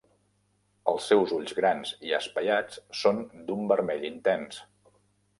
Els seus ulls grans i espaiats són d'un vermell intens.